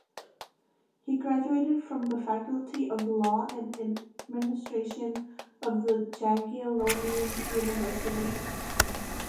He graduated from the Faculty of Law and Administration of the Jagiellonian University.